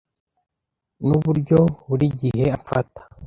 Nuburyo buri gihe amfata.